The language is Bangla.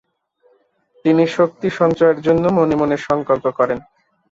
তিনি শক্তি সঞ্চয়ের জন্য মনে মনে সংকল্প করেন।